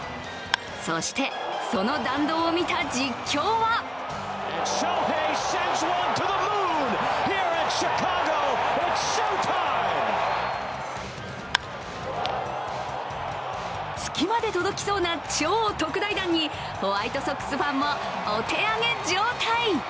そしてその弾道を見た実況は月まで届きそうな超特大弾にホワイトソックスファンもお手上げ状態。